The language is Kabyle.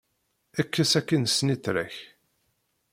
Ekkes akin snitra-k.